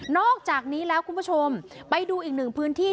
อกจากนี้แล้วคุณผู้ชมไปดูอีกหนึ่งพื้นที่